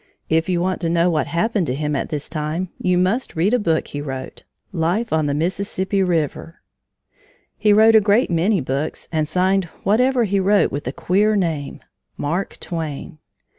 If you want to know what happened to him at this time you must read a book he wrote, Life on the Mississippi River. He wrote a great many books and signed whatever he wrote with a queer name MARK TWAIN.